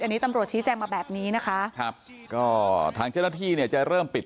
อันนี้ตำรวจชี้แจงมาแบบนี้นะคะครับก็ทางเจ้าหน้าที่เนี่ยจะเริ่มปิด